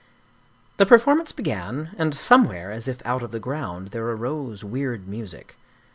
The performance began, and somewhere, as if out of the ground, there arose weird music.